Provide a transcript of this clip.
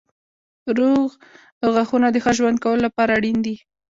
روغ غاښونه د ښه ژوند کولو لپاره اړین دي.